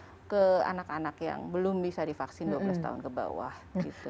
kita ke anak anak yang belum bisa divaksin dua belas tahun ke bawah gitu